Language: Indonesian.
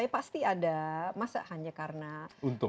ya pasti ada masa hanya karena mudah untung